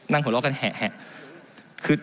นั่งหัวลอกกันแห่